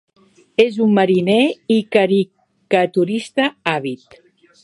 És un mariner i caricaturista àvid.